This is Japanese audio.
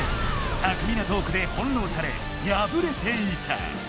たくみなトークでほんろうされやぶれていた。